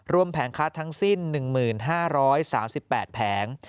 รวมแผงค้าทั้งสิ้น๑๕๓๘แผง